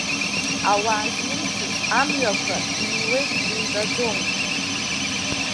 Ауаа знымсыц амҩақәа ииуеит инҵәаӡом.